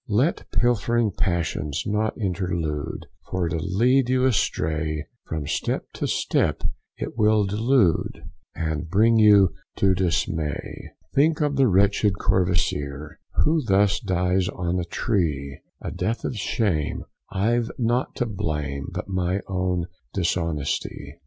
Let pilfering passions not intrude, For to lead you astray, From step to step it will delude, And bring you to dismay. Think of the wretched Courvoisier, Who thus dies on a tree, A death of shame, I've nought to blame, But my own dishonesty.